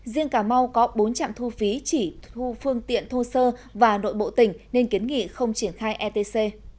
riêng cà mau có bốn trạm thu phí chỉ thu phương tiện thô sơ và nội bộ tỉnh nên kiến nghị không triển khai etc